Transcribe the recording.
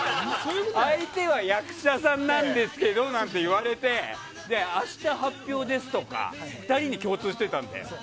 相手は役者さんなんですけどなんて言われて明日発表ですとか２人に共通してたんだよ。